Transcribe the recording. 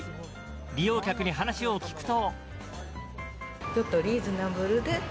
利用客に話を聞くと。